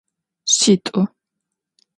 Шъитӏу.